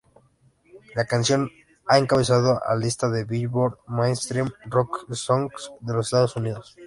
La canción ha encabezado la lista Billboard Mainstream Rock Songs de los Estados Unidos.